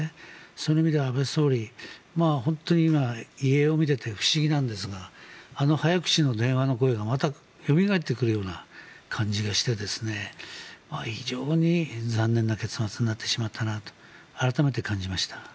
その意味では安倍総理本当に今、遺影を見てて不思議なんですがあの早口の電話の声がまたよみがえってくるような感じがして非常に残念な結末になってしまったなと改めて感じました。